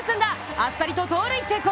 あっさりと盗塁成功。